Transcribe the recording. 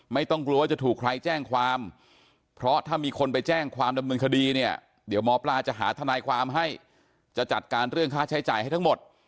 ไม่ต้องกลัวว่าจะถูกใครแจ้งความเพราะถ้ามีคนไปแจ้งความดำเนินคดีเนี่ยเดี๋ยวหมอปลาจะหาทนายความให้จะจัดการเรื่องค่าใช้จ่ายให้ทั้งหมด